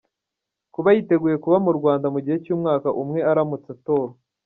Kuba yiteguye kuba mu Rwanda mu gihe cy’umwaka umwe aramutse atowe.